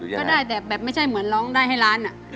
ก็ได้แต่แบบไม่ใช่เหมือนร้องได้ให้ล้าน